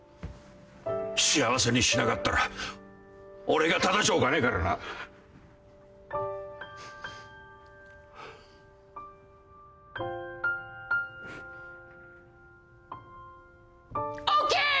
幸せにしなかったら俺がただじゃおかねえからな。ＯＫ！